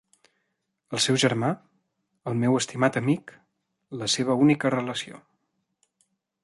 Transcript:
El seu germà, el meu estimat amic: la seva única relació.